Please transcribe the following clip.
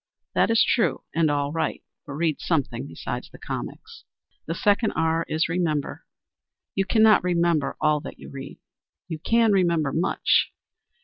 That is true, and all right, but read something beside the comics. The second R is Remember. You cannot remember all that you read. You can remember much.